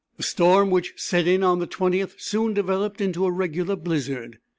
The storm which set in on the 20th soon developed into a regular blizzard.